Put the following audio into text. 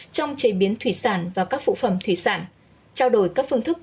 trong chế biến thủy sản và các phụ phẩm thủy sản trao đổi các phương thức